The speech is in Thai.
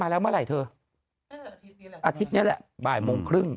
อาทิตย์นี้แหละบ่ายโมงครึ่ง